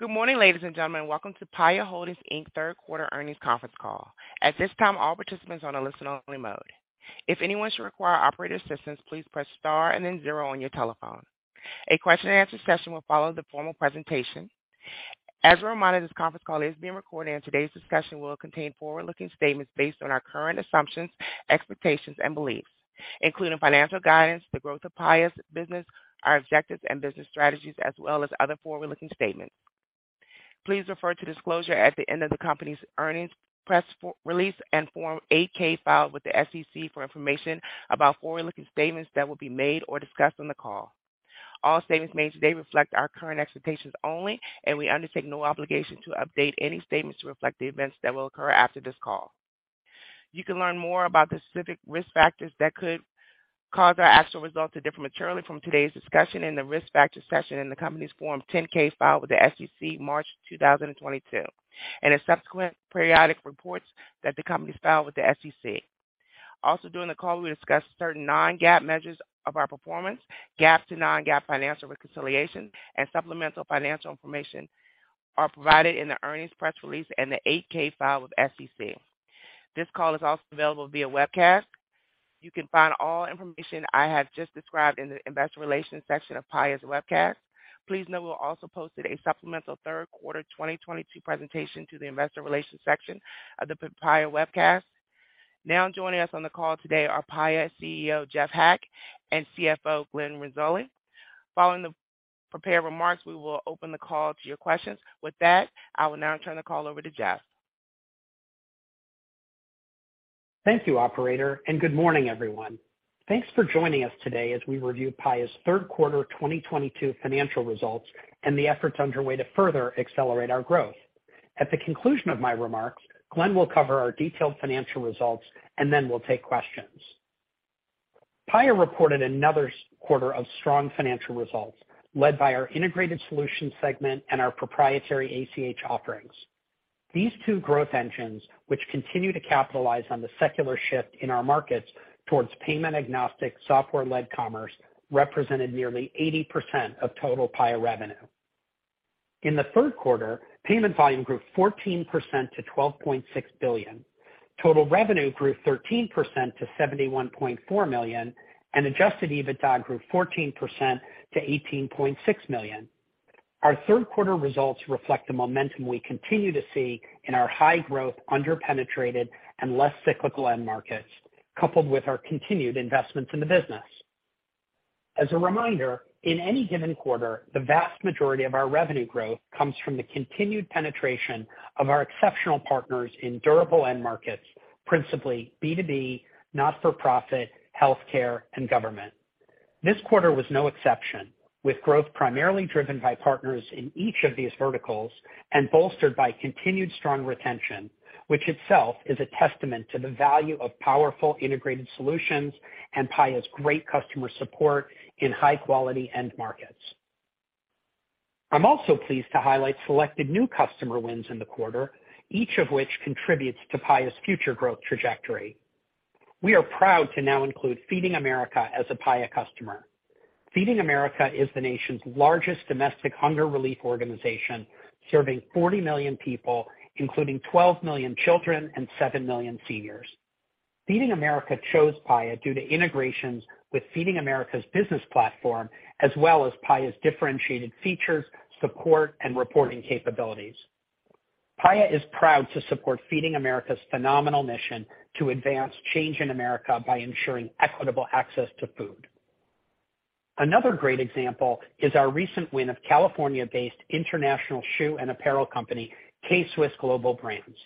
Good morning, ladies and gentlemen. Welcome to Paya Holdings Inc third quarter earnings conference call. At this time, all participants are on a listen-only mode. If anyone should require operator assistance, please press star and then zero on your telephone. A question-and-answer session will follow the formal presentation. As a reminder, this conference call is being recorded, and today's discussion will contain forward-looking statements based on our current assumptions, expectations, and beliefs, including financial guidance, the growth of Paya's business, our objectives and business strategies, as well as other forward-looking statements. Please refer to disclosure at the end of the company's earnings press release and Form 8-K filed with the SEC for information about forward-looking statements that will be made or discussed on the call. All statements made today reflect our current expectations only, and we undertake no obligation to update any statements to reflect the events that will occur after this call. You can learn more about the specific risk factors that could cause our actual results to differ materially from today's discussion in the risk factor section in the company's Form 10-K filed with the SEC March 2022 and in subsequent periodic reports that the company filed with the SEC. Also, during the call, we discussed certain non-GAAP measures of our performance. GAAP to non-GAAP financial reconciliations and supplemental financial information are provided in the earnings press release and the 8-K filed with the SEC. This call is also available via webcast. You can find all information I have just described in the investor relations section of Paya's webcast. Please note we've also posted a supplemental third quarter 2022 presentation to the investor relations section of the Paya webcast. Now joining us on the call today are Paya CEO Jeff Hack, and CFO Glenn Renzulli. Following the prepared remarks, we will open the call to your questions. With that, I will now turn the call over to Jeff. Thank you, operator, and good morning, everyone. Thanks for joining us today as we review Paya's third quarter 2022 financial results and the efforts underway to further accelerate our growth. At the conclusion of my remarks, Glenn Renzulli will cover our detailed financial results, and then we'll take questions. Paya reported another quarter of strong financial results led by our Integrated Solutions segment and our proprietary ACH offerings. These two growth engines, which continue to capitalize on the secular shift in our markets towards payment-agnostic, software-led commerce, represented nearly 80% of total Paya revenue. In the third quarter, payment volume grew 14% to $12.6 billion. Total revenue grew 13% to $71.4 million. Adjusted EBITDA grew 14% to $18.6 million. Our third quarter results reflect the momentum we continue to see in our high growth, under-penetrated and less cyclical end markets, coupled with our continued investments in the business. As a reminder, in any given quarter, the vast majority of our revenue growth comes from the continued penetration of our exceptional partners in durable end markets, principally B2B, not-for-profit healthcare and government. This quarter was no exception, with growth primarily driven by partners in each of these verticals and bolstered by continued strong retention, which itself is a testament to the value of powerful integrated solutions and Paya's great customer support in high-quality end markets. I'm also pleased to highlight selected new customer wins in the quarter, each of which contributes to Paya's future growth trajectory. We are proud to now include Feeding America as a Paya customer. Feeding America is the nation's largest domestic hunger relief organization, serving 40 million people, including 12 million children and 7 million seniors. Feeding America chose Paya due to integrations with Feeding America's business platform, as well as Paya's differentiated features, support, and reporting capabilities. Paya is proud to support Feeding America's phenomenal mission to advance change in America by ensuring equitable access to food. Another great example is our recent win of California-based international shoe and apparel company K-Swiss Global Brands.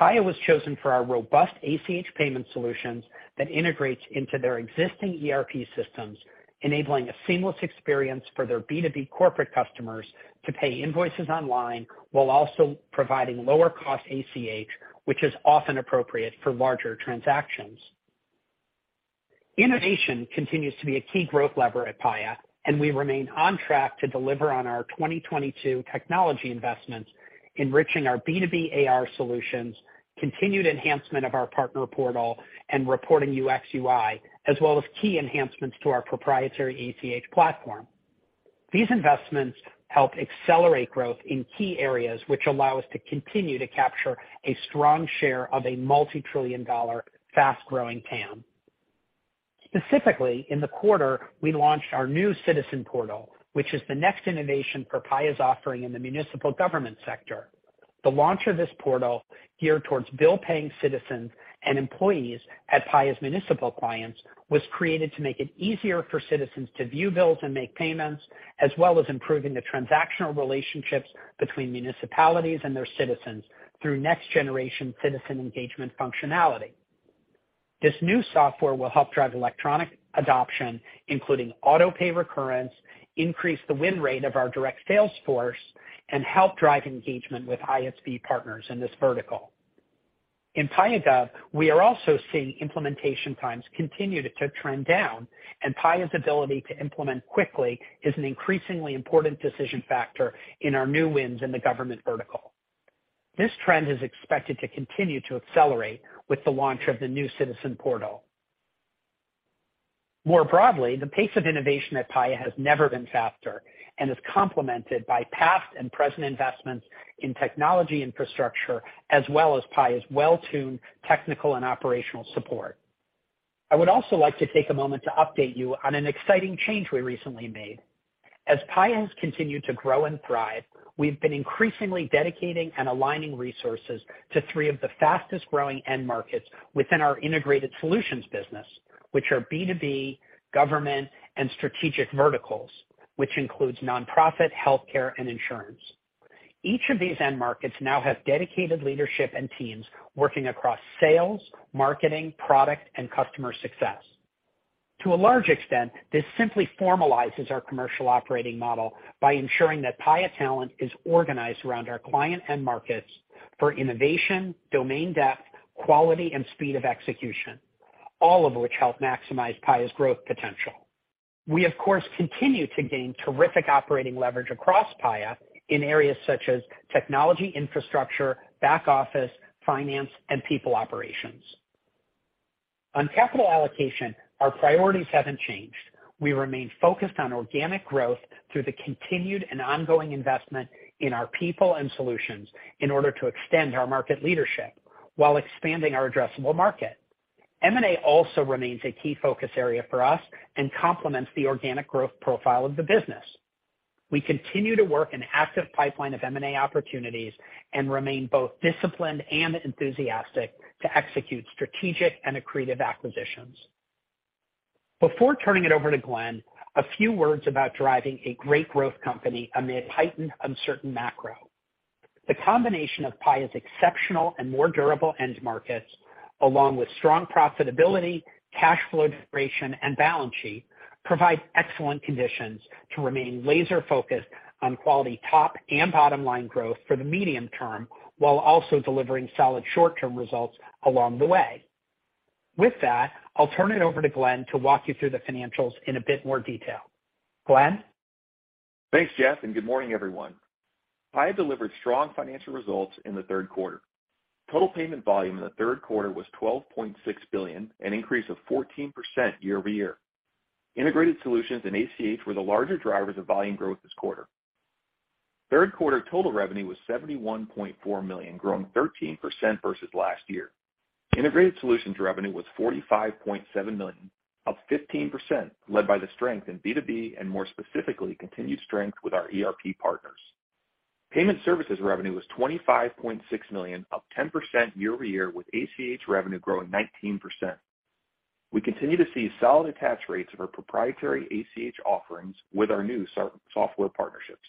Paya was chosen for our robust ACH payment solutions that integrates into their existing ERP systems, enabling a seamless experience for their B2B corporate customers to pay invoices online while also providing lower cost ACH, which is often appropriate for larger transactions. Innovation continues to be a key growth lever at Paya, and we remain on track to deliver on our 2022 technology investments, enriching our B2B AR solutions, continued enhancement of our partner portal and reporting UX/UI, as well as key enhancements to our proprietary ACH platform. These investments help accelerate growth in key areas which allow us to continue to capture a strong share of a multi-trillion dollar fast-growing TAM. Specifically, in the quarter, we launched our new Citizen Portal, which is the next innovation for Paya's offering in the municipal government sector. The launch of this portal, geared towards bill-paying citizens and employees at Paya's municipal clients, was created to make it easier for citizens to view bills and make payments, as well as improving the transactional relationships between municipalities and their citizens through next-generation citizen engagement functionality. This new software will help drive electronic adoption, including autopay recurrence, increase the win rate of our direct sales force, and help drive engagement with ISV partners in this vertical. In PayaGov, we are also seeing implementation times continue to trend down, and Paya's ability to implement quickly is an increasingly important decision factor in our new wins in the government vertical. This trend is expected to continue to accelerate with the launch of the new Citizen Portal. More broadly, the pace of innovation at Paya has never been faster and is complemented by past and present investments in technology infrastructure, as well as Paya's well-tuned technical and operational support. I would also like to take a moment to update you on an exciting change we recently made. As Paya has continued to grow and thrive, we've been increasingly dedicating and aligning resources to three of the fastest-growing end markets within our Integrated Solutions business, which are B2B, government, and strategic verticals, which includes nonprofit, healthcare, and insurance. Each of these end markets now has dedicated leadership and teams working across sales, marketing, product, and customer success. To a large extent, this simply formalizes our commercial operating model by ensuring that Paya talent is organized around our client end markets for innovation, domain depth, quality, and speed of execution, all of which help maximize Paya's growth potential. We, of course, continue to gain terrific operating leverage across Paya in areas such as technology, infrastructure, back-office, finance, and people operations. On capital allocation, our priorities haven't changed. We remain focused on organic growth through the continued and ongoing investment in our people and solutions in order to extend our market leadership while expanding our addressable market. M&A also remains a key focus area for us and complements the organic growth profile of the business. We continue to work an active pipeline of M&A opportunities and remain both disciplined and enthusiastic to execute strategic and accretive acquisitions. Before turning it over to Glenn, a few words about driving a great growth company amid heightened uncertain macro. The combination of Paya's exceptional and more durable end markets, along with strong profitability, cash flow generation, and balance sheet, provide excellent conditions to remain laser-focused on quality top and bottom-line growth for the medium term, while also delivering solid short-term results along the way. With that, I'll turn it over to Glenn to walk you through the financials in a bit more detail. Glenn? Thanks, Jeff, and good morning, everyone. Paya delivered strong financial results in the third quarter. Total payment volume in the third quarter was $12.6 billion, an increase of 14% year-over-year. Integrated Solutions and ACH were the larger drivers of volume growth this quarter. Third quarter total revenue was $71.4 million, growing 13% versus last year. Integrated Solutions revenue was $45.7 million, up 15%, led by the strength in B2B and more specifically, continued strength with our ERP partners. Payment Services revenue was $25.6 million, up 10% year-over-year, with ACH revenue growing 19%. We continue to see solid attach rates of our proprietary ACH offerings with our new software partnerships.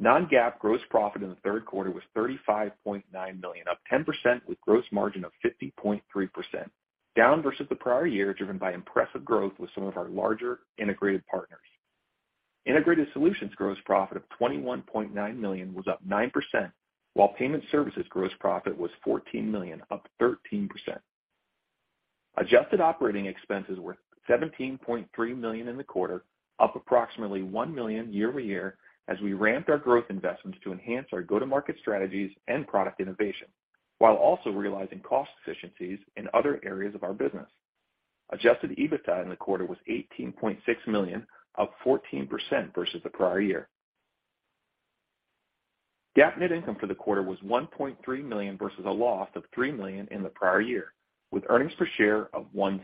Non-GAAP gross profit in the third quarter was $35.9 million, up 10% with gross margin of 50.3%, down versus the prior year, driven by impressive growth with some of our larger integrated partners. Integrated Solutions gross profit of $21.9 million was up 9%, while Payment Services gross profit was $14 million, up 13%. Adjusted operating expenses were $17.3 million in the quarter, up approximately $1 million year-over-year as we ramped our growth investments to enhance our go-to-market strategies and product innovation, while also realizing cost efficiencies in other areas of our business. Adjusted EBITDA in the quarter was $18.6 million, up 14% versus the prior year. GAAP net income for the quarter was $1.3 million versus a loss of $3 million in the prior year, with earnings per share of $0.01.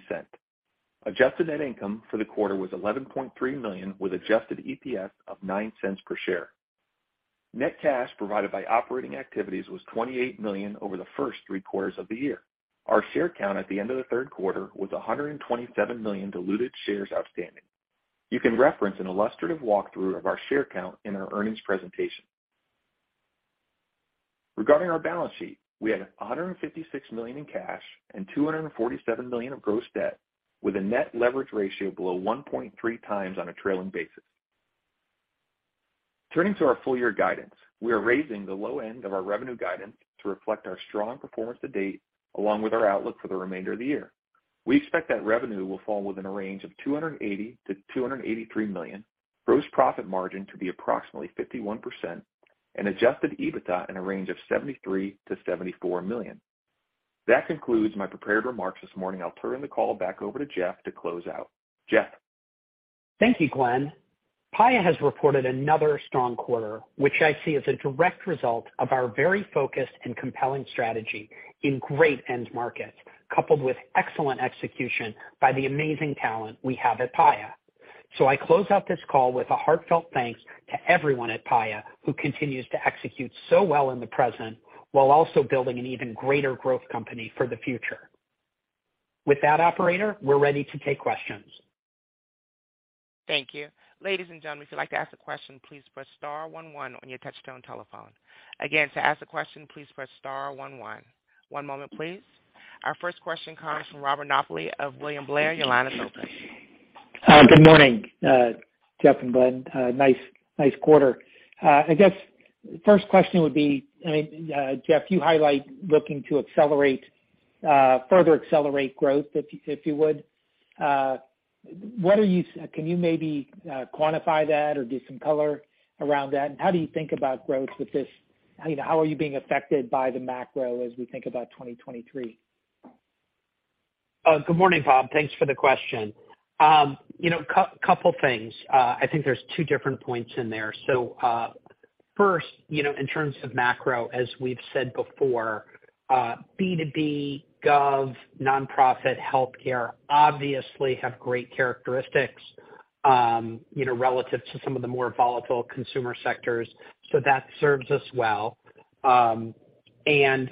Adjusted net income for the quarter was $11.3 million, with adjusted EPS of $0.09 per share. Net cash provided by operating activities was $28 million over the first three quarters of the year. Our share count at the end of the third quarter was 127 million diluted shares outstanding. You can reference an illustrative walkthrough of our share count in our earnings presentation. Regarding our balance sheet, we had $156 million in cash and $247 million of gross debt with a net leverage ratio below 1.3x on a trailing basis. Turning to our full year guidance, we are raising the low end of our revenue guidance to reflect our strong performance to date, along with our outlook for the remainder of the year. We expect that revenue will fall within a range of $280 million-$283 million, gross profit margin to be approximately 51% and adjusted EBITDA in a range of $73 million-$74 million. That concludes my prepared remarks this morning. I'll turn the call back over to Jeff to close out. Jeff? Thank you, Glenn. Paya has reported another strong quarter, which I see as a direct result of our very focused and compelling strategy in great end markets, coupled with excellent execution by the amazing talent we have at Paya. I close out this call with a heartfelt thanks to everyone at Paya who continues to execute so well in the present while also building an even greater growth company for the future. With that, operator, we're ready to take questions. Thank you. Ladies and gentlemen, if you'd like to ask a question, please press star one one on your touchtone telephone. Again, to ask a question, please press star one one. One moment, please. Our first question comes from Robert Napoli of William Blair. Your line is open. Good morning, Jeff and Glenn. Nice quarter. I guess first question would be, I mean, Jeff, you highlight looking to accelerate, further accelerate growth, if you would. Can you maybe quantify that or give some color around that? How do you think about growth with this? You know, how are you being affected by the macro as we think about 2023? Good morning, Bob. Thanks for the question. You know, couple things. I think there's two different points in there. First, you know, in terms of macro, as we've said before, B2B, gov, nonprofit, healthcare obviously have great characteristics, you know, relative to some of the more volatile consumer sectors. That serves us well. And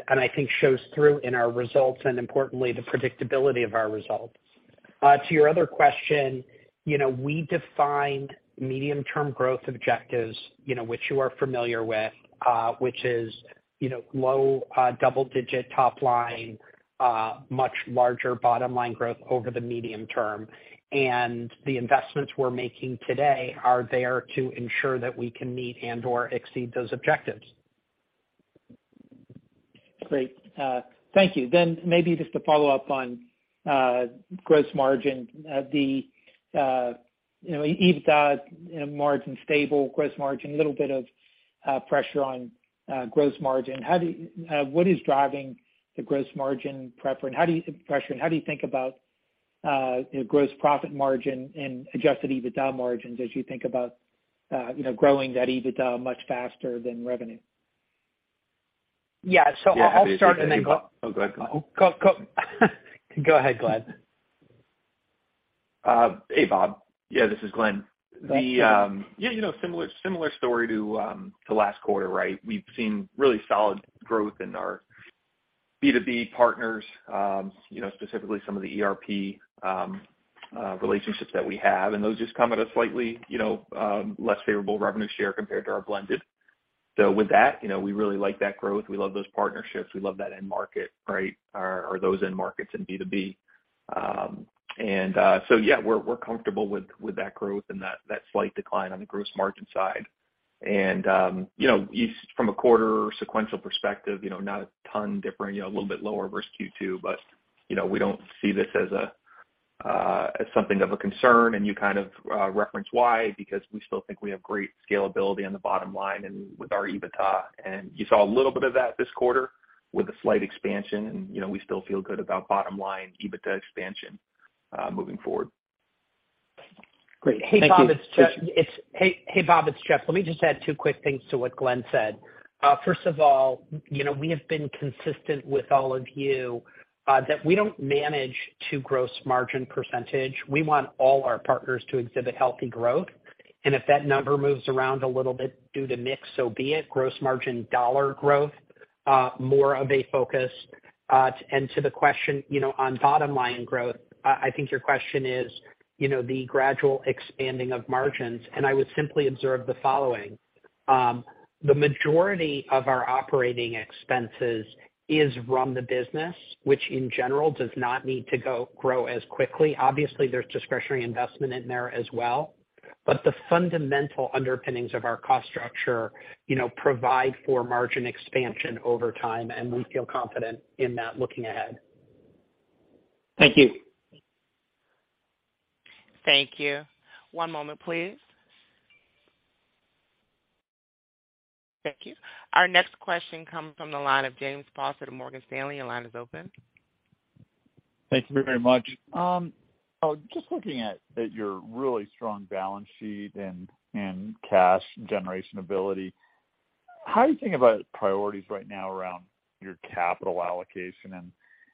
I think shows through in our results and importantly, the predictability of our results. To your other question, you know, we defined medium-term growth objectives, you know, which you are familiar with, which is, you know, low double-digit top line, much larger bottom line growth over the medium term. The investments we're making today are there to ensure that we can meet and/or exceed those objectives. Great. Thank you. Maybe just to follow up on gross margin, the you know EBITDA margin stable, gross margin, a little bit of pressure on gross margin. What is driving the gross margin pressure? How do you think about gross profit margin and adjusted EBITDA margins as you think about you know, growing that EBITDA much faster than revenue? Yeah. I'll start and then Glenn- Yeah. Oh, go ahead, Glenn. Go ahead, Glenn. Hey, Bob. Yeah, this is Glenn. Go ahead. You know, similar story to last quarter, right? We've seen really solid growth in our B2B partners, you know, specifically some of the ERP relationships that we have. Those just come at a slightly, you know, less favorable revenue share compared to our blended. With that, you know, we really like that growth. We love those partnerships. We love that end market, right? Or those end markets in B2B. Yeah, we're comfortable with that growth and that slight decline on the gross margin side. From a quarter sequential perspective, you know, not a ton different, you know, a little bit lower versus Q2, but, you know, we don't see this as something of a concern. You kind of referenced why, because we still think we have great scalability on the bottom line and with our EBITDA. You know, we still feel good about bottom line EBITDA expansion moving forward. Great. Thank you. Hey, Bob, it's Jeff. Let me just add two quick things to what Glenn said. First of all, you know, we have been consistent with all of you that we don't manage to gross margin percentage. We want all our partners to exhibit healthy growth. If that number moves around a little bit due to mix, so be it. Gross margin dollar growth, more of a focus. To the question, you know, on bottom line growth, I think your question is, you know, the gradual expanding of margins. I would simply observe the following. The majority of our operating expenses is run the business, which in general does not need to go grow as quickly. Obviously, there's discretionary investment in there as well, but the fundamental underpinnings of our cost structure, you know, provide for margin expansion over time, and we feel confident in that looking ahead. Thank you. Thank you. One moment, please. Thank you. Our next question comes from the line of James Faucette of Morgan Stanley. Your line is open. Thank you very much. Just looking at your really strong balance sheet and cash generation ability, how are you thinking about priorities right now around your capital allocation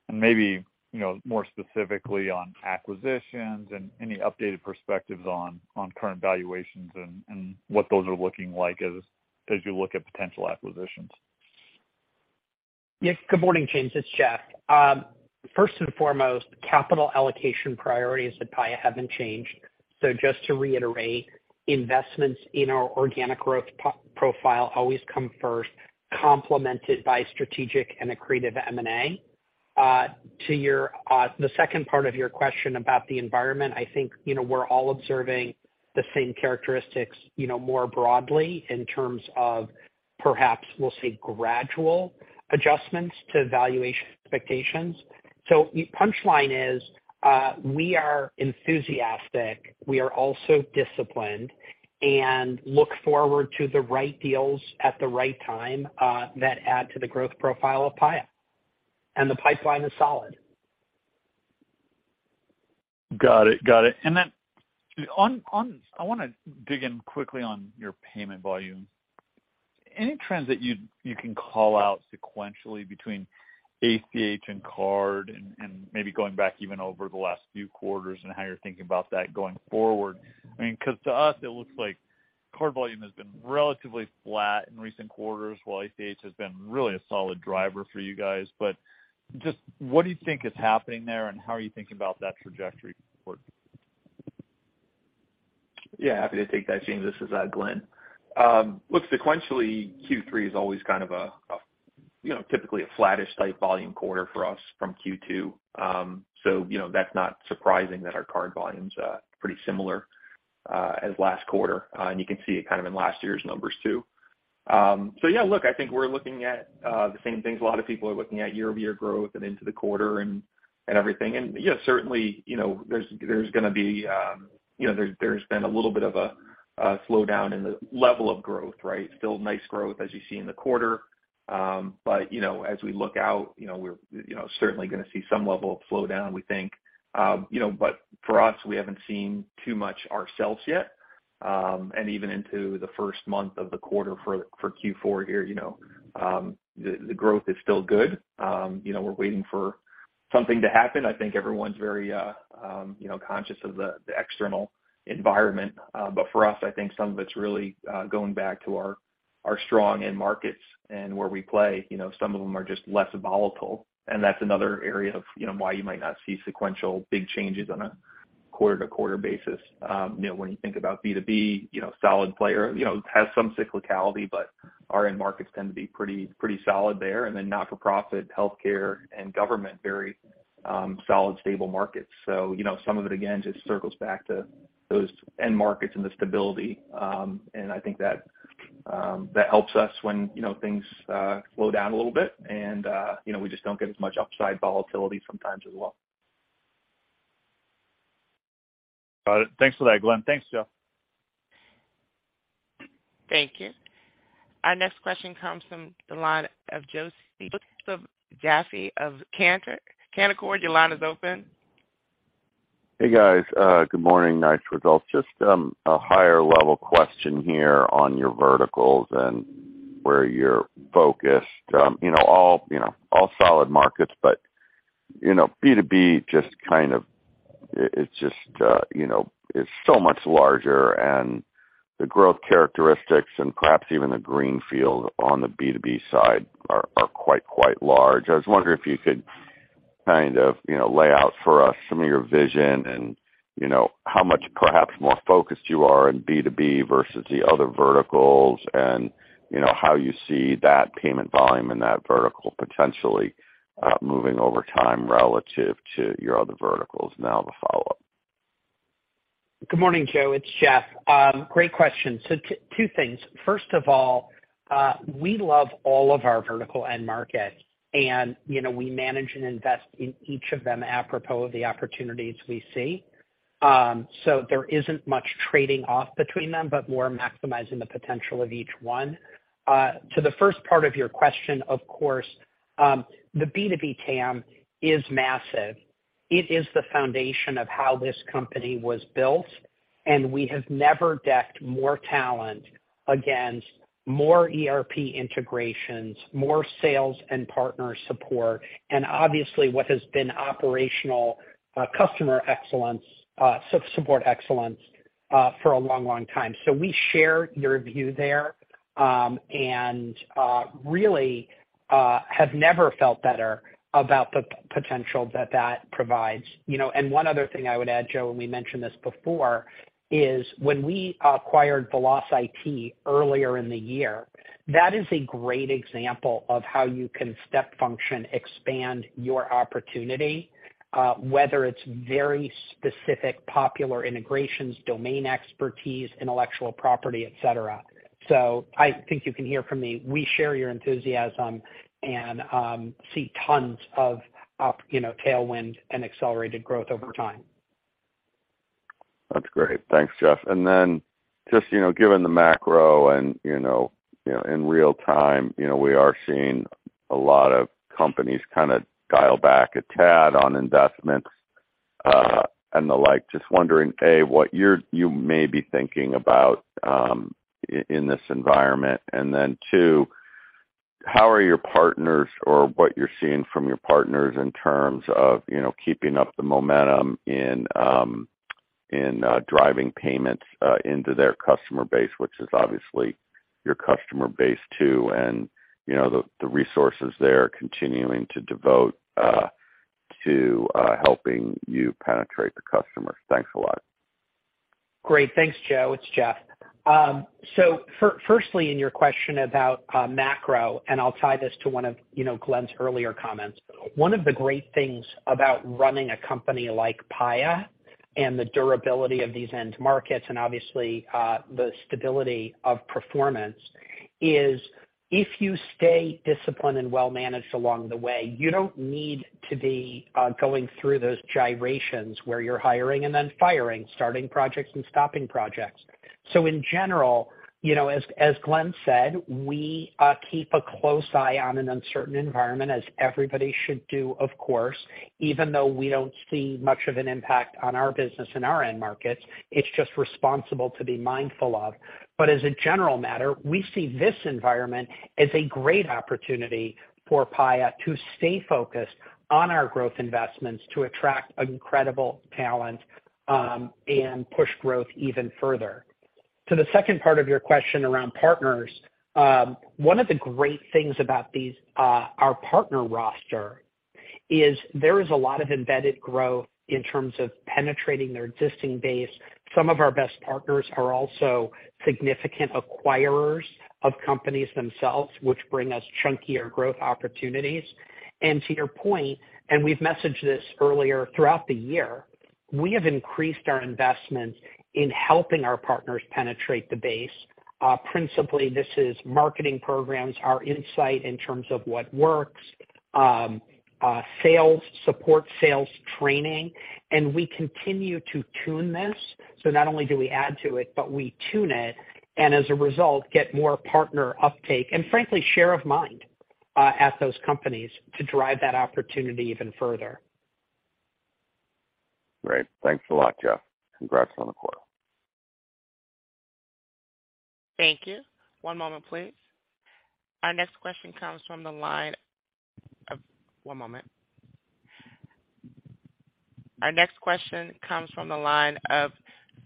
and maybe, you know, more specifically on acquisitions and any updated perspectives on current valuations and what those are looking like as you look at potential acquisitions? Yes. Good morning, James. It's Jeff. First and foremost, capital allocation priorities at Paya haven't changed. Just to reiterate, investments in our organic growth profile always come first, complemented by strategic and accretive M&A. To your, the second part of your question about the environment, I think, you know, we're all observing the same characteristics, you know, more broadly in terms of perhaps we'll see gradual adjustments to valuation expectations. Punchline is, we are enthusiastic, we are also disciplined and look forward to the right deals at the right time, that add to the growth profile of Paya, and the pipeline is solid. Got it. I wanna dig in quickly on your payment volume. Any trends that you can call out sequentially between ACH and card and maybe going back even over the last few quarters and how you're thinking about that going forward? I mean, 'cause to us, it looks like card volume has been relatively flat in recent quarters while ACH has been really a solid driver for you guys. Just what do you think is happening there, and how are you thinking about that trajectory going forward? Yeah, happy to take that, James. This is Glenn. Look, sequentially, Q3 is always kind of a you know, typically a flattish type volume quarter for us from Q2. So you know, that's not surprising that our card volume's pretty similar as last quarter. You can see it kind of in last year's numbers too. Yeah, look, I think we're looking at the same things a lot of people are looking at year-over-year growth and into the quarter and everything. Yes, certainly, you know, there's gonna be, you know, there's been a little bit of a slowdown in the level of growth, right? Still nice growth as you see in the quarter. You know, as we look out, you know, we're certainly gonna see some level of slowdown, we think. You know, for us, we haven't seen too much ourselves yet. Even into the first month of the quarter for Q4 here, you know, the growth is still good. You know, we're waiting for something to happen. I think everyone's very, you know, conscious of the external environment. For us, I think some of it's really going back to our strong end markets and where we play. You know, some of them are just less volatile, and that's another area of, you know, why you might not see sequential big changes on a quarter-to-quarter basis. You know, when you think about B2B, you know, solid player, you know, has some cyclicality, but our end markets tend to be pretty solid there. Not-for-profit healthcare and government, very solid, stable markets. You know, some of it again just circles back to those end markets and the stability. I think that that helps us when, you know, things slow down a little bit and, you know, we just don't get as much upside volatility sometimes as well. Got it. Thanks for that, Glenn. Thanks, Jeff. Thank you. Our next question comes from the line of Joe Vafi of Canaccord Genuity. Your line is open. Hey, guys. Good morning. Nice results. Just a higher level question here on your verticals and where you're focused. You know, all solid markets, but you know, B2B is so much larger and the growth characteristics and perhaps even the greenfield on the B2B side are quite large. I was wondering if you could kind of you know, lay out for us some of your vision and you know, how much perhaps more focused you are in B2B versus the other verticals and you know, how you see that payment volume in that vertical potentially moving over time relative to your other verticals. Now the follow-up. Good morning, Joe. It's Jeff. Great question. Two things. First of all, we love all of our vertical end markets. You know, we manage and invest in each of them apropos of the opportunities we see. There isn't much trading off between them, but more maximizing the potential of each one. To the first part of your question, of course, the B2B TAM is massive. It is the foundation of how this company was built, and we have never dedicated more talent against more ERP integrations, more sales and partner support, and obviously what has been operational customer excellence, support excellence, for a long, long time. We share your view there, and really have never felt better about the potential that that provides. You know, one other thing I would add, Joe, and we mentioned this before, is when we acquired VelocIT earlier in the year, that is a great example of how you can step function, expand your opportunity, whether it's very specific popular integrations, domain expertise, intellectual property, et cetera. I think you can hear from me, we share your enthusiasm and see tons of you know, tailwind and accelerated growth over time. That's great. Thanks, Jeff. Just, you know, given the macro and, you know, you know, in real time, you know, we are seeing a lot of companies kinda dial back a tad on investments, and the like. Just wondering, A, what you may be thinking about, in this environment. Two, how are your partners or what you're seeing from your partners in terms of, you know, keeping up the momentum in, driving payments, into their customer base, which is obviously your customer base too, and, you know, the resources they're continuing to devote, to helping you penetrate the customers. Thanks a lot. Great. Thanks, Joe. It's Jeff. Firstly, in your question about macro, and I'll tie this to one of, you know, Glenn's earlier comments. One of the great things about running a company like Paya and the durability of these end markets and obviously the stability of performance is if you stay disciplined and well-managed along the way, you don't need to be going through those gyrations where you're hiring and then firing, starting projects and stopping projects. In general, you know, as Glenn said, we keep a close eye on an uncertain environment, as everybody should do, of course. Even though we don't see much of an impact on our business in our end markets, it's just responsible to be mindful of. As a general matter, we see this environment as a great opportunity for Paya to stay focused on our growth investments, to attract incredible talent, and push growth even further. To the second part of your question around partners, one of the great things about these, our partner roster is there is a lot of embedded growth in terms of penetrating their existing base. Some of our best partners are also significant acquirers of companies themselves, which bring us chunkier growth opportunities. To your point, we've messaged this earlier throughout the year. We have increased our investments in helping our partners penetrate the base. Principally, this is marketing programs, our insight in terms of what works, sales support, sales training, and we continue to tune this. Not only do we add to it, but we tune it, and as a result, get more partner uptake and frankly share of mind at those companies to drive that opportunity even further. Great. Thanks a lot, Jeff. Congrats on the quarter. Thank you. One moment, please. One moment. Our next question comes from the line of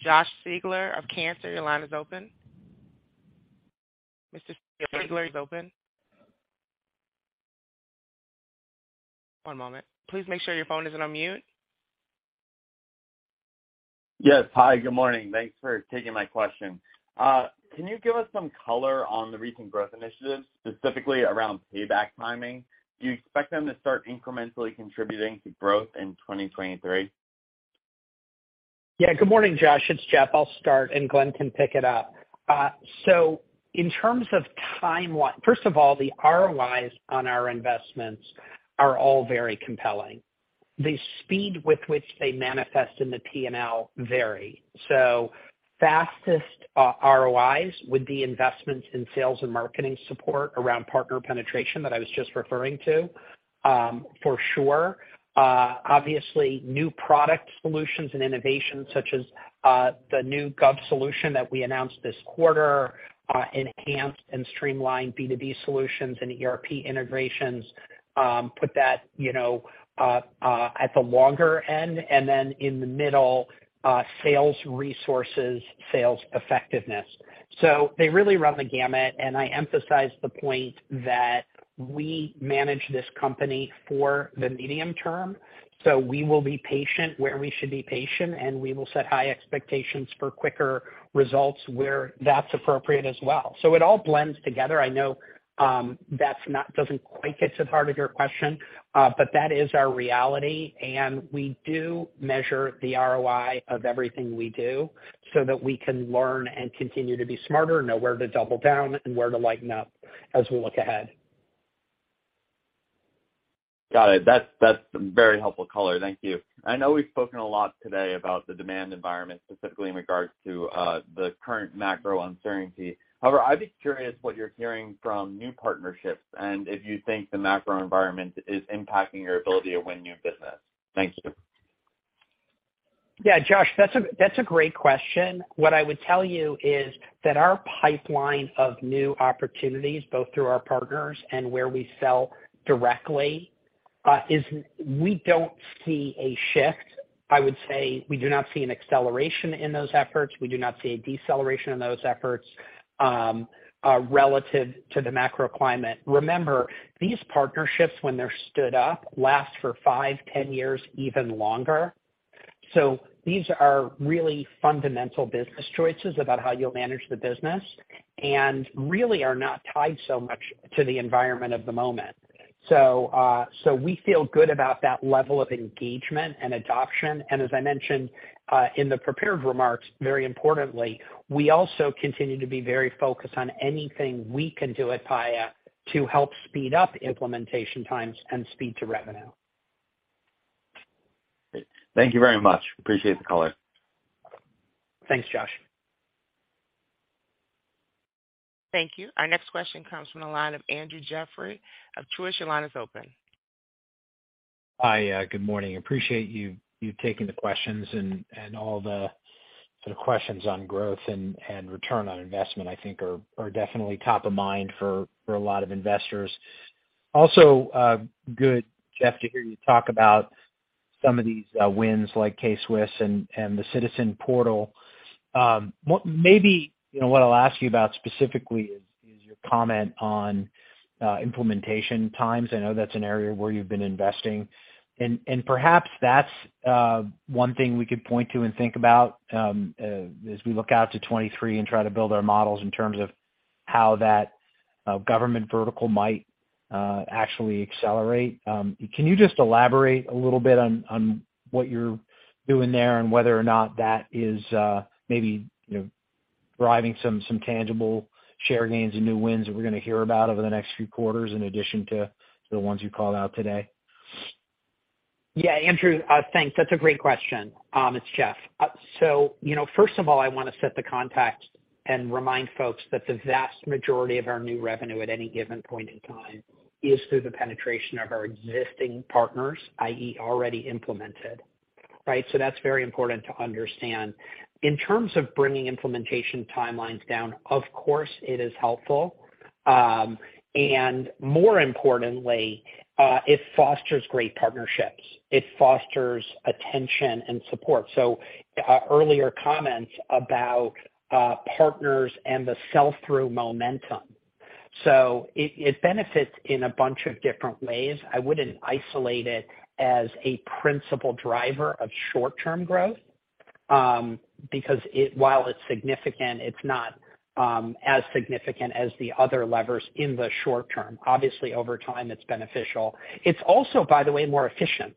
Josh Siegler of Cantor Fitzgerald. Your line is open. Mr. Siegler, your line is open. One moment. Please make sure your phone isn't on mute. Yes. Hi. Good morning. Thanks for taking my question. Can you give us some color on the recent growth initiatives, specifically around payback timing? Do you expect them to start incrementally contributing to growth in 2023? Yeah. Good morning, Josh. It's Jeff. I'll start, and Glenn can pick it up. In terms of timeline. First of all, the ROIs on our investments are all very compelling. The speed with which they manifest in the P&L vary. Fastest ROIs would be investments in sales and marketing support around partner penetration that I was just referring to, for sure. Obviously, new product solutions and innovations, such as the new gov solution that we announced this quarter, enhanced and streamlined B2B solutions and ERP integrations, put that, you know, at the longer end, and then in the middle, sales resources, sales effectiveness. They really run the gamut, and I emphasize the point that we manage this company for the medium term. We will be patient where we should be patient, and we will set high expectations for quicker results where that's appropriate as well. It all blends together. I know, doesn't quite get to the heart of your question, but that is our reality, and we do measure the ROI of everything we do so that we can learn and continue to be smarter, know where to double down and where to lighten up as we look ahead. Got it. That's very helpful color. Thank you. I know we've spoken a lot today about the demand environment, specifically in regards to the current macro uncertainty. However, I'd be curious what you're hearing from new partnerships and if you think the macro environment is impacting your ability to win new business. Thank you. Yeah. Josh, that's a great question. What I would tell you is that our pipeline of new opportunities, both through our partners and where we sell directly, is we don't see a shift. I would say we do not see an acceleration in those efforts. We do not see a deceleration in those efforts, relative to the macro climate. Remember, these partnerships, when they're stood up, last for 5, 10 years, even longer. These are really fundamental business choices about how you'll manage the business, and really are not tied so much to the environment of the moment. We feel good about that level of engagement and adoption. As I mentioned in the prepared remarks, very importantly, we also continue to be very focused on anything we can do at Paya to help speed up implementation times and speed to revenue. Thank you very much. Appreciate the color. Thanks, Josh. Thank you. Our next question comes from the line of Andrew Jeffrey of Truist. Your line is open. Hi. Good morning. Appreciate you taking the questions and all the questions on growth and return on investment I think are definitely top of mind for a lot of investors. Also, good, Jeff, to hear you talk about some of these wins like K-Swiss and the Citizen Portal. Maybe, you know, what I'll ask you about specifically is your comment on implementation times. I know that's an area where you've been investing. Perhaps that's one thing we could point to and think about as we look out to 2023 and try to build our models in terms of how that government vertical might actually accelerate. Can you just elaborate a little bit on what you're doing there and whether or not that is maybe, you know, driving some tangible share gains and new wins that we're gonna hear about over the next few quarters in addition to the ones you called out today? Yeah. Andrew, thanks. That's a great question. It's Jeff. So you know, first of all, I wanna set the context and remind folks that the vast majority of our new revenue at any given point in time is through the penetration of our existing partners, i.e., already implemented, right? So that's very important to understand. In terms of bringing implementation timelines down, of course, it is helpful, and more importantly, it fosters great partnerships. It fosters attention and support. So, earlier comments about, partners and the sell-through momentum. So it benefits in a bunch of different ways. I wouldn't isolate it as a principal driver of short-term growth, because while it's significant, it's not, as significant as the other levers in the short term. Obviously, over time, it's beneficial. It's also, by the way, more efficient,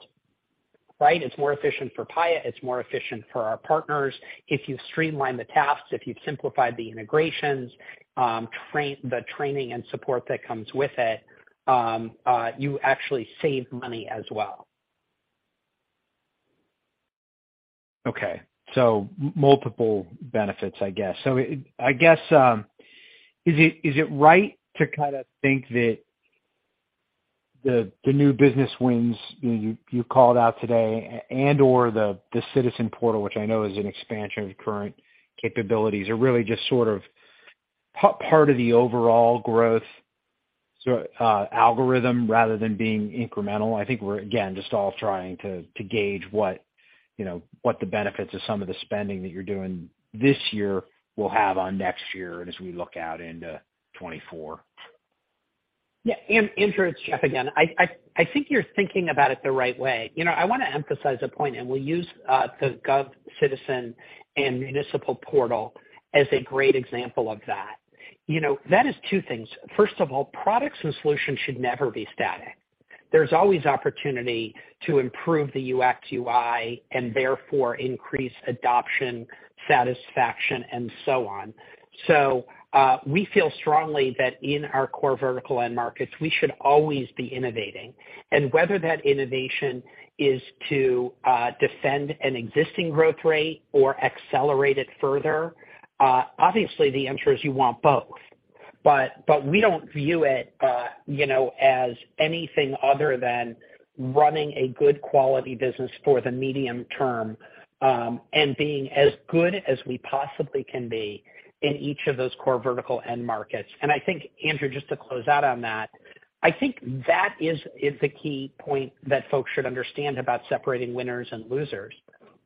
right? It's more efficient for Paya, it's more efficient for our partners. If you streamline the tasks, if you've simplified the integrations, the training and support that comes with it, you actually save money as well. Okay. Multiple benefits, I guess. I guess, is it right to kinda think that the new business wins you called out today and/or the Citizen Portal, which I know is an expansion of current capabilities, are really just sort of part of the overall growth algorithm rather than being incremental? I think we're, again, just all trying to gauge what, you know, what the benefits of some of the spending that you're doing this year will have on next year and as we look out into 2024. Yeah. Andrew, it's Jeff again. I think you're thinking about it the right way. You know, I wanna emphasize a point, and we'll use the PayaGov, Citizen Portal, and municipal portal as a great example of that. You know, that is two things. First of all, products and solutions should never be static. There's always opportunity to improve the UX/UI and therefore increase adoption, satisfaction, and so on. We feel strongly that in our core vertical end markets, we should always be innovating. Whether that innovation is to defend an existing growth rate or accelerate it further, obviously, the answer is you want both. We don't view it as anything other than running a good quality business for the medium term, and being as good as we possibly can be in each of those core vertical end markets. I think, Andrew, just to close out on that, I think that is the key point that folks should understand about separating winners and losers,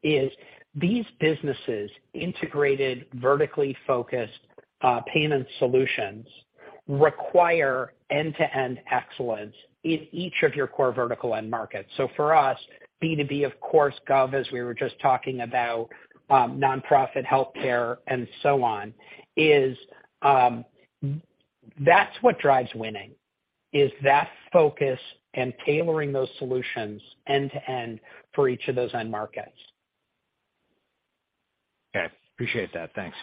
is these businesses integrated vertically focused payment solutions require end-to-end excellence in each of your core vertical end markets. For us, B2B, of course, gov, as we were just talking about, nonprofit, healthcare, and so on, that's what drives winning, is that focus and tailoring those solutions end to end for each of those end markets. Okay. Appreciate that. Thanks.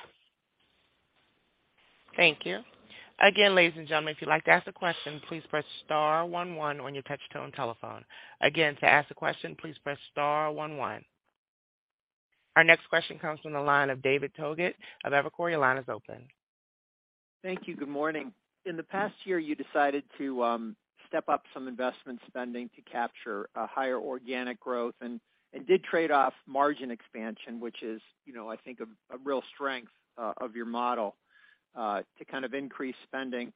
Thank you. Again, ladies and gentlemen, if you'd like to ask a question, please press star one one on your touch tone telephone. Again, to ask a question, please press star one one. Our next question comes from the line of David Togut of Evercore. Your line is open. Thank you. Good morning. In the past year, you decided to step up some investment spending to capture a higher organic growth and did trade-off margin expansion, which is, you know, I think a real strength of your model to kind of increase spending.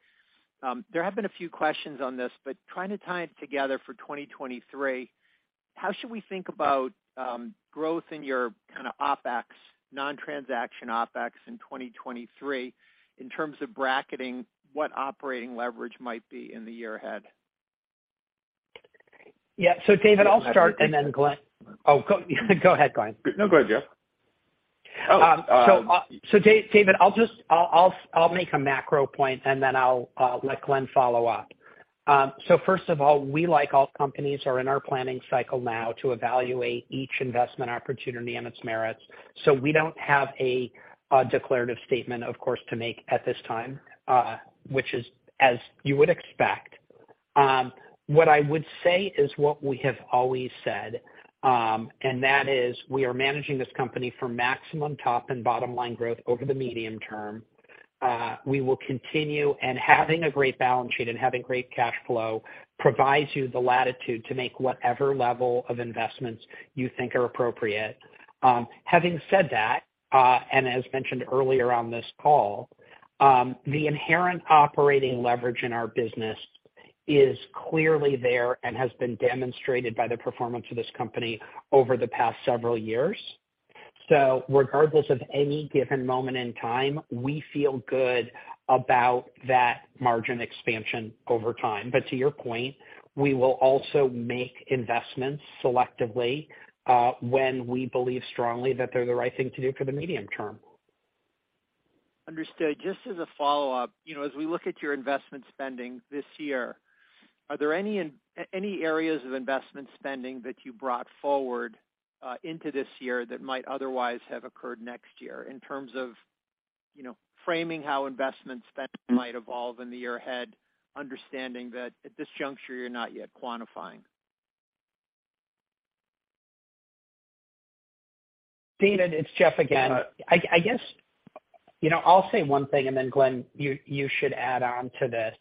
There have been a few questions on this, but trying to tie it together for 2023, how should we think about growth in your kind of OpEx, non-transaction OpEx in 2023 in terms of bracketing what operating leverage might be in the year ahead? Yeah. David, I'll start, and then. Oh, go ahead, Glenn. No, go ahead, Jeff. David, I'll make a macro point, and then I'll let Glenn follow up. First of all, we, like all companies, are in our planning cycle now to evaluate each investment opportunity and its merits. We don't have a declarative statement, of course, to make at this time, which is as you would expect. What I would say is what we have always said, and that is we are managing this company for maximum top and bottom line growth over the medium term. We will continue, and having a great balance sheet and having great cash flow provides you the latitude to make whatever level of investments you think are appropriate. Having said that, and as mentioned earlier on this call, the inherent operating leverage in our business is clearly there and has been demonstrated by the performance of this company over the past several years. Regardless of any given moment in time, we feel good about that margin expansion over time. To your point, we will also make investments selectively, when we believe strongly that they're the right thing to do for the medium term. Understood. Just as a follow-up, you know, as we look at your investment spending this year, are there any areas of investment spending that you brought forward into this year that might otherwise have occurred next year in terms of, you know, framing how investment spending might evolve in the year ahead, understanding that at this juncture, you're not yet quantifying? David, it's Jeff again. I guess, you know, I'll say one thing, and then Glenn, you should add on to this.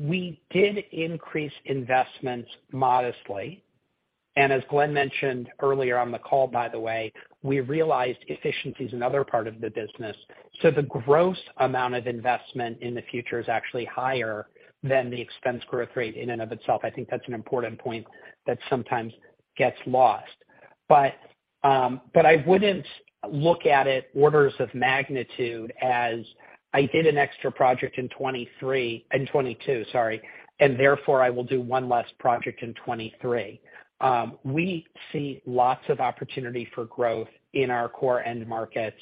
We did increase investments modestly. As Glenn mentioned earlier on the call, by the way, we realized efficiency is another part of the business. The gross amount of investment in the future is actually higher than the expense growth rate in and of itself. I think that's an important point that sometimes gets lost. I wouldn't look at it orders of magnitude as I did an extra project in 2023, in 2022, sorry, and therefore I will do one less project in 2023. We see lots of opportunity for growth in our core end markets,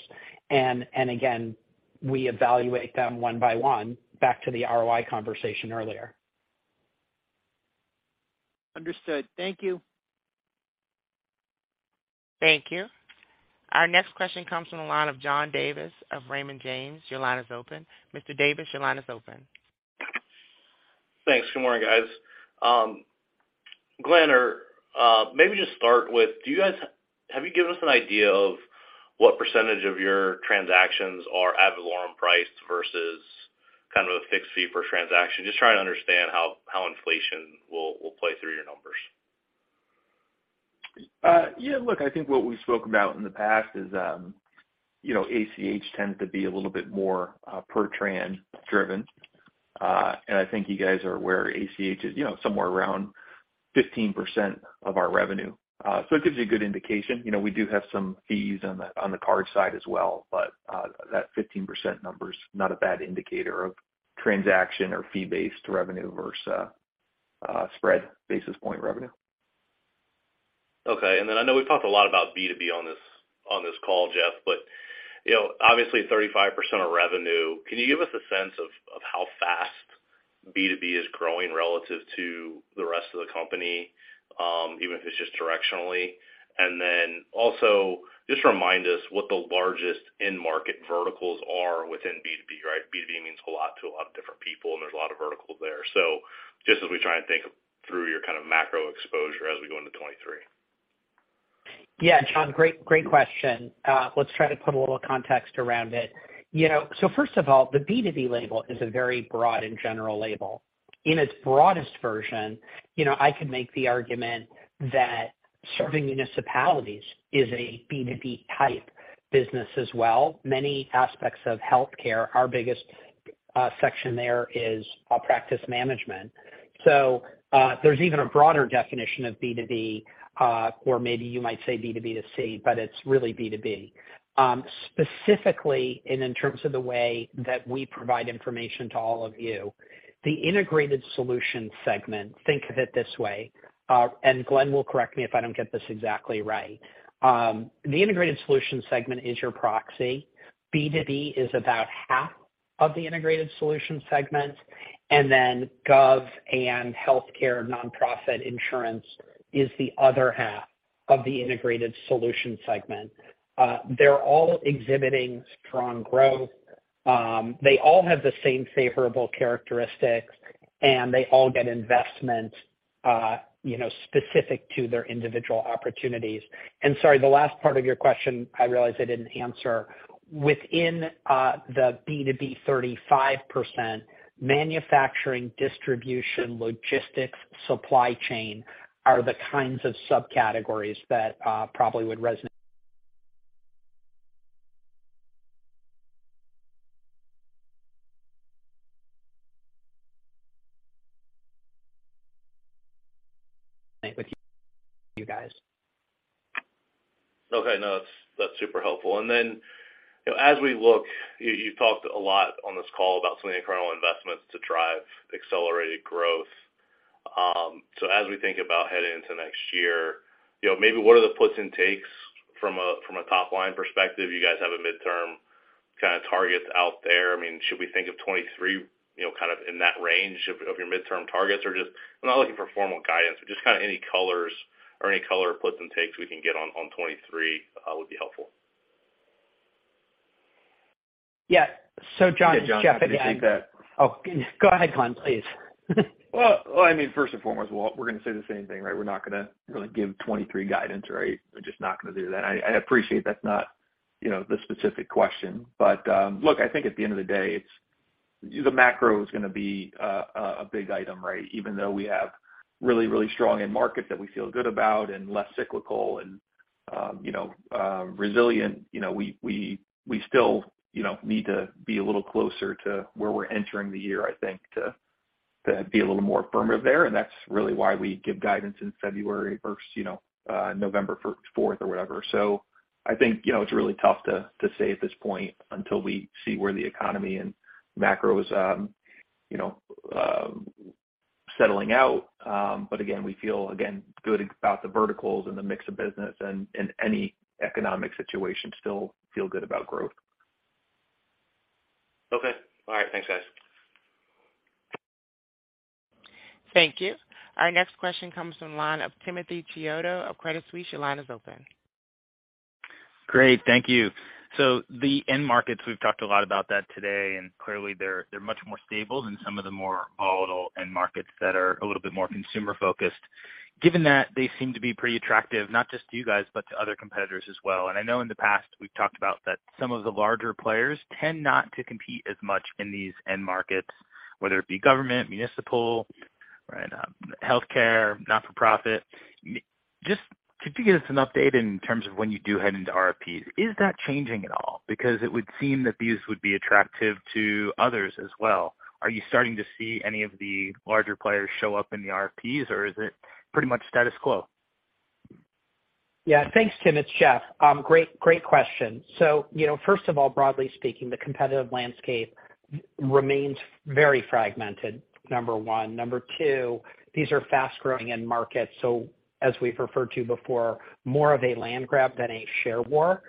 and again, we evaluate them one by one back to the ROI conversation earlier. Understood. Thank you. Thank you. Our next question comes from the line of John Davis of Raymond James. Your line is open. Mr. Davis, your line is open. Thanks. Good morning, guys. Glenn, maybe just start with, have you given us an idea of what percentage of your transactions are ad valorem price versus kind of a fixed fee per transaction? Just trying to understand how inflation will play through your numbers. Yeah, look, I think what we've spoken about in the past is, you know, ACH tends to be a little bit more per tran driven. I think you guys are aware ACH is, you know, somewhere around 15% of our revenue. It gives you a good indication. You know, we do have some fees on the card side as well, but that 15% number is not a bad indicator of transaction or fee-based revenue versus spread basis point revenue. Okay. I know we've talked a lot about B2B on this call, Jeff, but you know, obviously 35% of revenue. Can you give us a sense of how fast B2B is growing relative to the rest of the company, even if it's just directionally? Also just remind us what the largest end market verticals are within B2B, right? B2B means a lot to a lot of different people, and there's a lot of verticals there. Just as we try and think through your kind of macro exposure as we go into 2023. Yeah, John. Great question. Let's try to put a little context around it. You know, first of all, the B2B label is a very broad and general label. In its broadest version, you know, I could make the argument that serving municipalities is a B2B type business as well. Many aspects of healthcare, our biggest section there is practice management. There's even a broader definition of B2B, or maybe you might say B2B2C, but it's really B2B. Specifically and in terms of the way that we provide information to all of you, the Integrated Solutions segment, think of it this way, and Glenn will correct me if I don't get this exactly right. The Integrated Solutions segment is your proxy. B2B is about half of the Integrated Solutions segment, and then gov and healthcare, nonprofit insurance is the other half of the Integrated Solutions segment. They're all exhibiting strong growth. They all have the same favorable characteristics, and they all get investment, you know, specific to their individual opportunities. Sorry, the last part of your question, I realize I didn't answer. Within the B2B 35%, manufacturing, distribution, logistics, supply chain are the kinds of subcategories that probably would resonate with you guys. Okay. No, that's super helpful. Then, you know, as we look, you've talked a lot on this call about some of the internal investments to drive accelerated growth. So as we think about heading into next year, you know, maybe what are the puts and takes from a top-line perspective? You guys have a midterm kinda targets out there. I mean, should we think of 2023, you know, kind of in that range of your midterm targets? I'm not looking for formal guidance, but just kinda any color puts and takes we can get on 2023 would be helpful. Yeah. John, Jeff, and I Yeah, John, I appreciate that. Oh, go ahead, Glenn, please. Well, I mean, first and foremost, well, we're gonna say the same thing, right? We're not gonna really give 2023 guidance, right? We're just not gonna do that. I appreciate that's not, you know, the specific question. But, look, I think at the end of the day, it's the macro is gonna be a big item, right? Even though we have really strong end markets that we feel good about and less cyclical and, you know, resilient, you know, we still, you know, need to be a little closer to where we're entering the year, I think, to be a little more affirmative there. That's really why we give guidance in February versus, you know, November fourth or whatever. I think, you know, it's really tough to say at this point until we see where the economy and macros, you know, settling out. Again, we feel again good about the verticals and the mix of business and any economic situation. We still feel good about growth. Okay. All right. Thanks, guys. Thank you. Our next question comes from line of Timothy Chiodo of Credit Suisse. Your line is open. Great. Thank you. The end markets, we've talked a lot about that today, and clearly they're much more stable than some of the more volatile end markets that are a little bit more consumer-focused. Given that they seem to be pretty attractive, not just to you guys, but to other competitors as well, and I know in the past we've talked about that some of the larger players tend not to compete as much in these end markets, whether it be government, municipal, right, healthcare, not-for-profit. Just could you give us an update in terms of when you do head into RFPs? Is that changing at all? Because it would seem that these would be attractive to others as well. Are you starting to see any of the larger players show up in the RFPs, or is it pretty much status quo? Yeah. Thanks, Tim. It's Jeff. Great question. You know, first of all, broadly speaking, the competitive landscape remains very fragmented, number one. Number two, these are fast-growing end markets, so as we've referred to before, more of a land grab than a share war,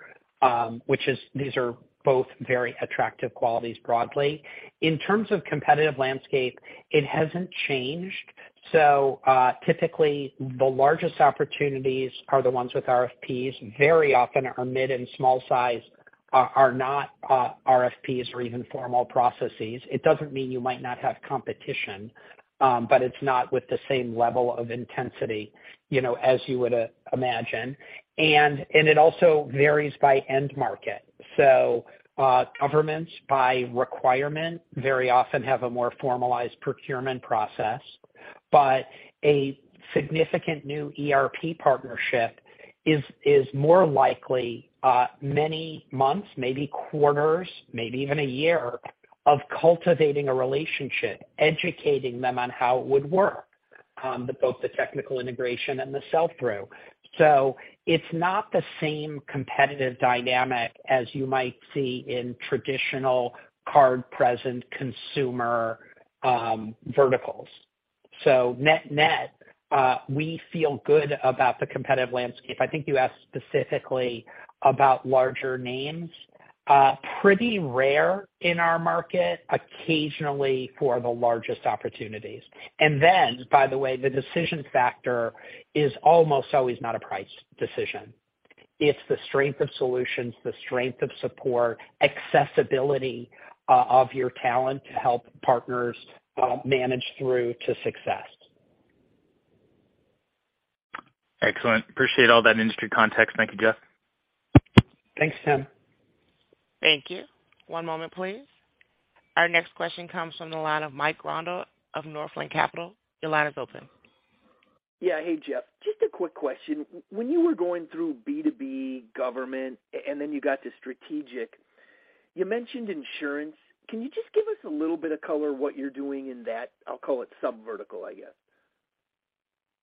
which is these are both very attractive qualities broadly. In terms of competitive landscape, it hasn't changed. Typically the largest opportunities are the ones with RFPs. Very often our mid and small size are not RFPs or even formal processes. It doesn't mean you might not have competition, but it's not with the same level of intensity, you know, as you would imagine. It also varies by end market. Governments by requirement very often have a more formalized procurement process. A significant new ERP partnership is more likely many months, maybe quarters, maybe even a year of cultivating a relationship, educating them on how it would work, both the technical integration and the sell-through. It's not the same competitive dynamic as you might see in traditional card present consumer verticals. Net, we feel good about the competitive landscape. I think you asked specifically about larger names. Pretty rare in our market occasionally for the largest opportunities. Then by the way, the decision factor is almost always not a price decision. It's the strength of solutions, the strength of support, accessibility of your talent to help partners manage through to success. Excellent. Appreciate all that industry context. Thank you, Jeff. Thanks, Tim. Thank you. One moment, please. Our next question comes from the line of Mike Grondahl of Northland Capital Markets. Your line is open. Yeah. Hey, Jeff, just a quick question. When you were going through B2B government and then you got to strategic, you mentioned insurance. Can you just give us a little bit of color what you're doing in that, I'll call it sub-vertical, I guess?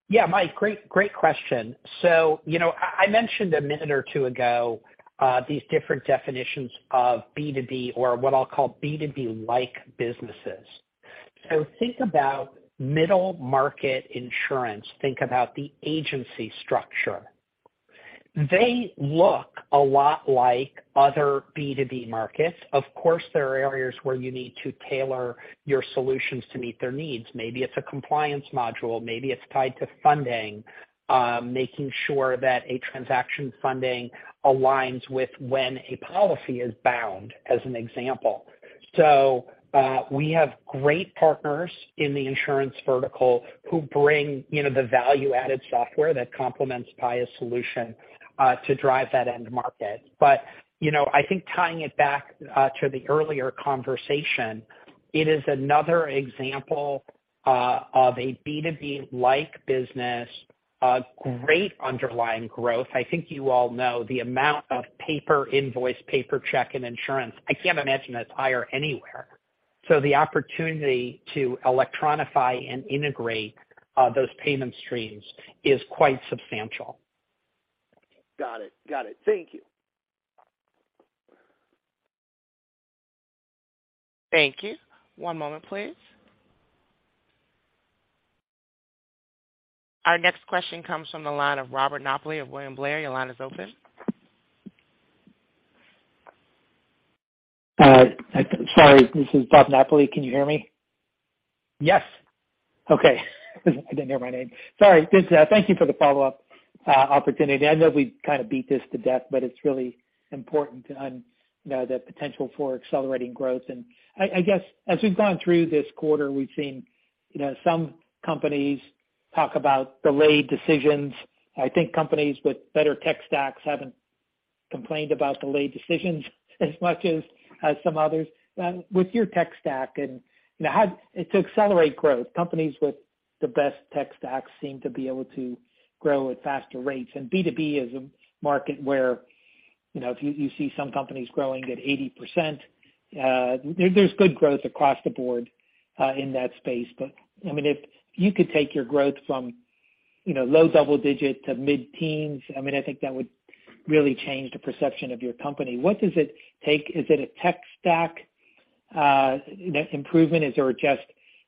Yeah, Mike, great question. You know, I mentioned a minute or two ago, these different definitions of B2B or what I'll call B2B-like businesses. Think about middle market insurance. Think about the agency structure. They look a lot like other B2B markets. Of course, there are areas where you need to tailor your solutions to meet their needs. Maybe it's a compliance module, maybe it's tied to funding, making sure that a transaction funding aligns with when a policy is bound, as an example. We have great partners in the insurance vertical who bring, you know, the value-added software that complements Paya's solution, to drive that end market. You know, I think tying it back to the earlier conversation, it is another example of a B2B-like business, great underlying growth. I think you all know the amount of paper invoice, paper check in insurance. I can't imagine that's higher anywhere. The opportunity to electronify and integrate, those payment streams is quite substantial. Got it. Thank you. Thank you. One moment, please. Our next question comes from the line of Robert Napoli of William Blair. Your line is open. Sorry. This is Robert Napoli. Can you hear me? Yes. Okay. I didn't hear my name. Sorry. Good. Thank you for the follow-up opportunity. I know we've kinda beat this to death, but it's really important on, you know, the potential for accelerating growth. I guess as we've gone through this quarter, we've seen, you know, some companies talk about delayed decisions. I think companies with better tech stacks haven't complained about delayed decisions as much as some others. With your tech stack and, you know, to accelerate growth, companies with the best tech stacks seem to be able to grow at faster rates. B2B is a market where, you know, if you see some companies growing at 80%, there's good growth across the board in that space. I mean, if you could take your growth from, you know, low double digit to mid-teens, I mean, I think that would really change the perception of your company. What does it take? Is it a tech stack, you know, improvement? Is it just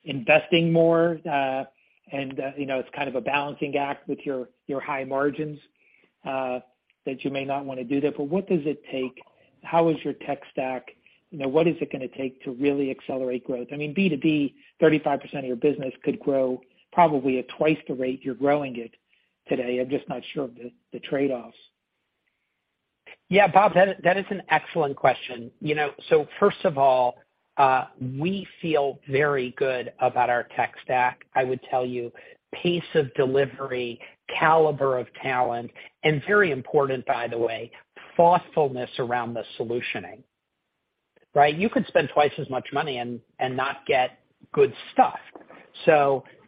investing more, and, you know, it's kind of a balancing act with your high margins, that you may not wanna do that. What does it take? How is your tech stack? You know, what is it gonna take to really accelerate growth? I mean, B2B, 35% of your business could grow probably at twice the rate you're growing it today. I'm just not sure of the trade-offs. Yeah. Bob, that is an excellent question. You know, so first of all, we feel very good about our tech stack. I would tell you pace of delivery, caliber of talent, and very important by the way, thoughtfulness around the solutioning, right? You could spend twice as much money and not get good stuff.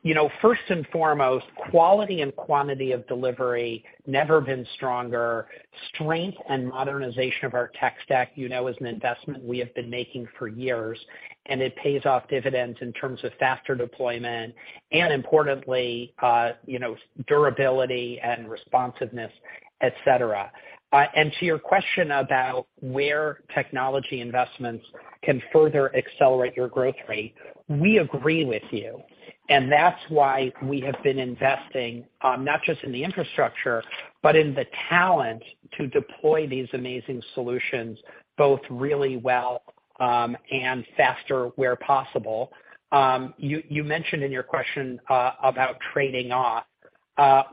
You know, first and foremost, quality and quantity of delivery never been stronger. Strength and modernization of our tech stack, you know, is an investment we have been making for years, and it pays off dividends in terms of faster deployment, and importantly, you know, durability and responsiveness. To your question about where technology investments can further accelerate your growth rate, we agree with you, and that's why we have been investing, not just in the infrastructure, but in the talent to deploy these amazing solutions, both really well, and faster where possible. You mentioned in your question about trading off.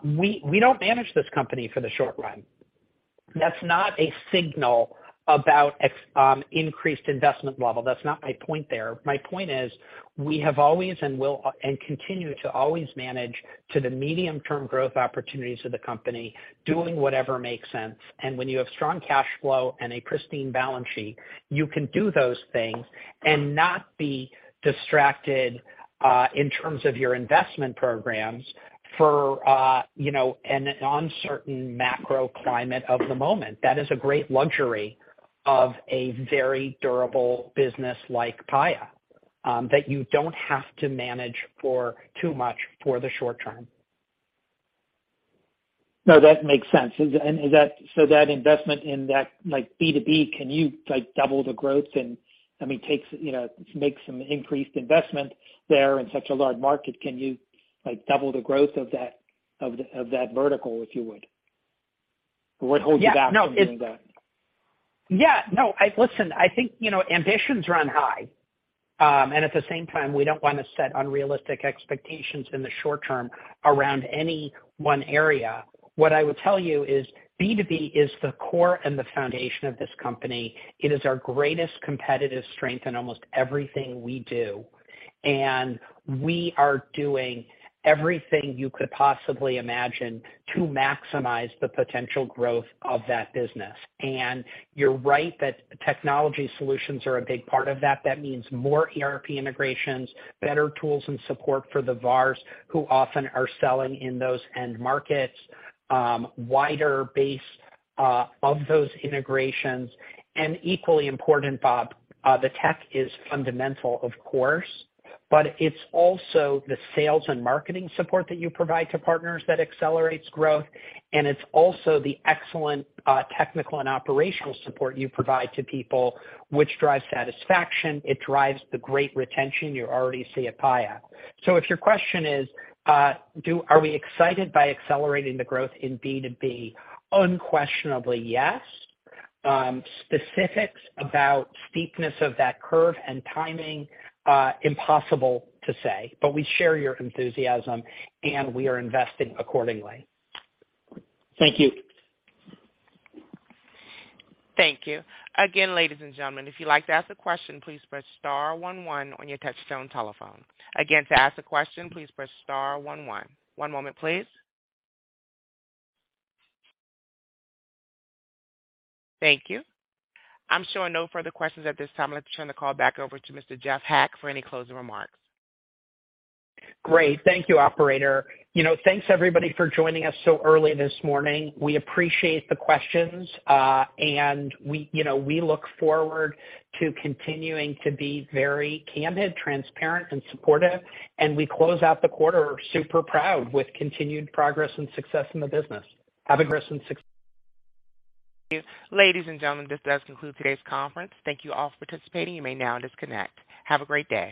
We don't manage this company for the short run. That's not a signal about increased investment level. That's not my point there. My point is we have always and will and continue to always manage to the medium-term growth opportunities of the company, doing whatever makes sense. When you have strong cash flow and a pristine balance sheet, you can do those things and not be distracted, in terms of your investment programs for, you know, an uncertain macro climate of the moment. That is a great luxury of a very durable business like Paya, that you don't have to manage for too much for the short term. No, that makes sense. That investment in that, like, B2B, can you, like, double the growth and, I mean, takes, you know, make some increased investment there in such a large market? Can you, like, double the growth of that vertical, if you would? What holds you back from doing that? Yeah. No. Listen, I think, you know, ambitions run high. At the same time, we don't wanna set unrealistic expectations in the short term around any one area. What I will tell you is B2B is the core and the foundation of this company. It is our greatest competitive strength in almost everything we do, and we are doing everything you could possibly imagine to maximize the potential growth of that business. You're right that technology solutions are a big part of that. That means more ERP integrations, better tools and support for the VARs who often are selling in those end markets, wider base, of those integrations. Equally important, Bob, the tech is fundamentally of course, but it's also the sales and marketing support that you provide to partners that accelerates growth, and it's also the excellent technical and operational support you provide to people, which drives satisfaction. It drives the great retention you already see at Paya. If your question is, are we excited by accelerating the growth in B2B? Unquestionably, yes. Specifics about steepness of that curve and timing, impossible to say. We share your enthusiasm, and we are investing accordingly. Thank you. Thank you. Again, ladies and gentlemen, if you'd like to ask a question, please press star one one on your touch-tone telephone. Again, to ask a question, please press star one one. One moment, please. Thank you. I'm showing no further questions at this time. Let's turn the call back over to Mr. Jeff Hack for any closing remarks. Great. Thank you, operator. You know, thanks everybody for joining us so early this morning. We appreciate the questions. We, you know, we look forward to continuing to be very candid, transparent and supportive, and we close out the quarter super proud with continued progress and success in the business. Thank you. Ladies and gentlemen, this does conclude today's conference. Thank you all for participating. You may now disconnect. Have a great day.